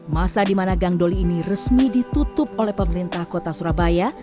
masa di mana gang doli ini resmi ditutup oleh pemerintah kota surabaya